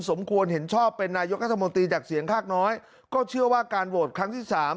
สมควรเห็นชอบเป็นนายกรัฐมนตรีจากเสียงข้างน้อยก็เชื่อว่าการโหวตครั้งที่สาม